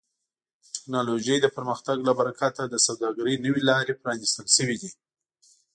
د ټکنالوژۍ د پرمختګ له برکت د سوداګرۍ نوې لارې پرانیستل شوي دي.